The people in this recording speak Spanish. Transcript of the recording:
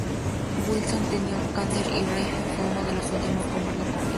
Wilson tenía cáncer y Reilly fue uno de los últimos en verlo con vida.